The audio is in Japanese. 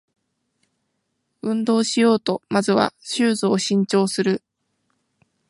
運動しようとまずはシューズを新調する